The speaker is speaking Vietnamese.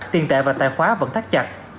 tiền tệ và tài khoá vẫn thắt chặt